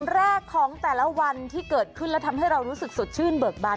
แรกของแต่ละวันที่เกิดขึ้นแล้วทำให้เรารู้สึกสดชื่นเบิกบาน